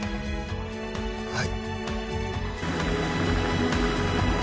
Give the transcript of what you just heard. はい。